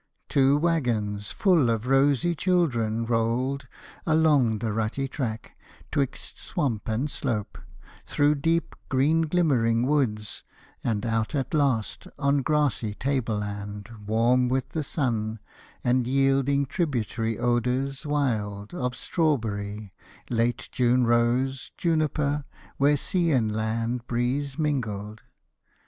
Two wagons full of rosy children rolled Along the rutty track, 'twixt swamp and slope, Through deep, green glimmering woods, and out at last On grassy table land, warm with the sun And yielding tributary odors wild Of strawberry, late June rose, juniper, Where sea and land breeze mingled.